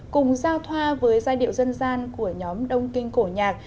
cùng giao thoa với giai điệu dân gian của nhóm đông kinh cổ nhạc